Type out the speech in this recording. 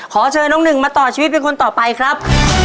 ขอเชิญน้องหนึ่งมาต่อชีวิตเป็นคนต่อไปครับ